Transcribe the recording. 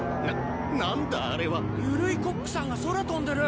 ゆるいコックさんが空飛んでる！